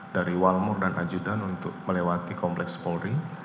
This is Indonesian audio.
dari walmur dan ajudan untuk melewati kompleks polri